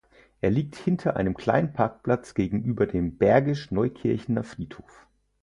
Er liegt hinter einem kleinen Parkplatz gegenüber dem Bergisch Neukirchener Friedhof.